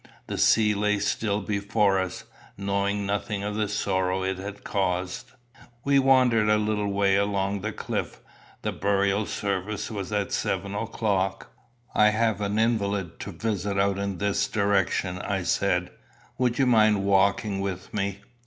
The sea lay still before us, knowing nothing of the sorrow it had caused. We wandered a little way along the cliff. The burial service was at seven o'clock. "I have an invalid to visit out in this direction," I said; "would you mind walking with me?